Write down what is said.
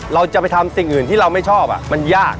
เราจะไปทำสิ่งอื่นที่เราไม่ชอบมันยาก